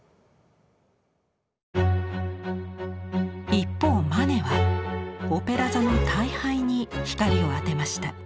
一方マネはオペラ座の退廃に光を当てました。